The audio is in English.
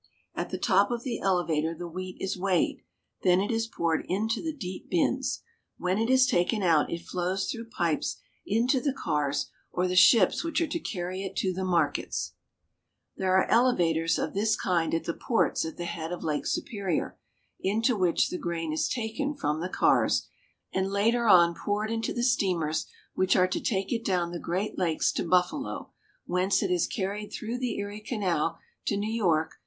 At the top of the elevator the wheat is weighed ; then it is poured into the deep bins. When it is taken out it flows through pipes into the cars or the ships which are to carry it to the markets. I70 THE NORTHWEST. There are elevators of this kind at the ports at the head of Lake Superior, into which the grain is taken from the cars, and later on poured into the steamers which are to take it down the Great Lakes to Buffalo, whence it is car ried through the Erie Canal to New York